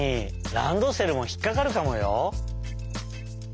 ランドセルもひっかかるかもよ！